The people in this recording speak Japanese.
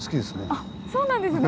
あっそうなんですね。